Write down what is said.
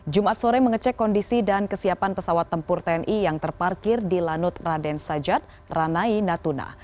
jumat sore mengecek kondisi dan kesiapan pesawat tempur tni yang terparkir di lanut raden sajat ranai natuna